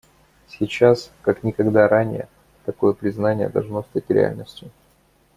Сейчас, как никогда ранее, такое признание должно стать реальностью.